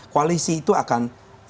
koalisi itu akan